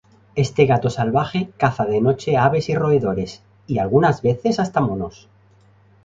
Este gato salvaje caza de noche aves y roedores, y algunas veces hasta monos.